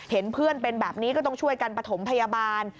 เห็นเพื่อนเป็นแบบนี้ก็ต้องช่วยกันประถมพยาบาล